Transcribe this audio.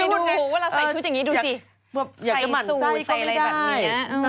ใส่สูร์ทใส่อะไรแบบนี้